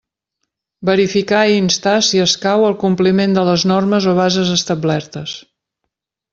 Verificar i instar, si escau, el compliment de les normes o bases establertes.